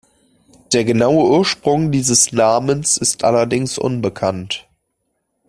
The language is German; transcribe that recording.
Der genaue Ursprung dieses Namens ist allerdings unbekannt.